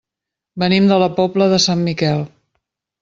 Venim de la Pobla de Sant Miquel.